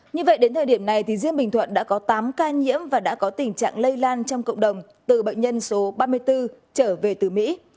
như vậy đến thời điểm này riêng bình thuận đã có tám ca nhiễm và đã có tình trạng lây lan trong cộng đồng từ bệnh nhân số ba mươi bốn trở về từ mỹ